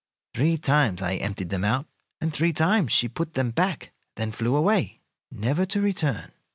Three times I emptied them out, and three times she put them back, then flew away, never to return.